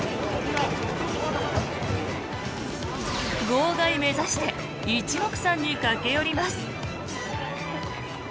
号外目指して一目散に駆け寄ります。